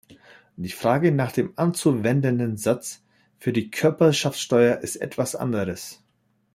Die Frage nach dem anzuwendenden Satz für die Körperschaftssteuer ist etwas anderes.